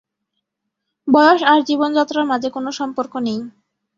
বয়স আর জীবনযাত্রার মাঝে কোনো সম্পর্ক নেই।